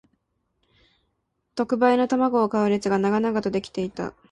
特売の玉子を買う列が長々と出来ていた